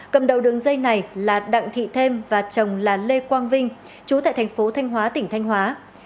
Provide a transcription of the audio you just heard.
cầm đầu đường dây này là đặng thị thêm và chồng là lê quang vinh chú tại thành phố thanh hóa tỉnh thanh hóa